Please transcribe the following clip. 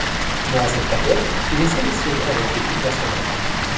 Durant cette période, il est sélectionné avec l'équipe nationale.